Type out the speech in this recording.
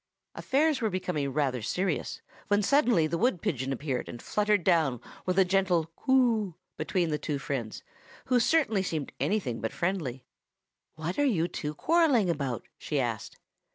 Affairs were becoming rather serious, when suddenly the wood pigeon appeared, and fluttered down with a gentle "Coo!" between the two friends, who certainly seemed anything but friendly. "What are you two quarrelling about?" she asked.